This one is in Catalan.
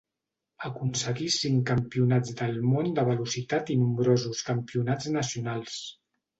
Aconseguí cinc Campionats del Món de velocitat i nombrosos campionats nacionals.